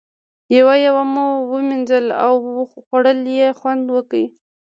یوه یوه مو ووینځله او خوړلو یې خوند وکړ.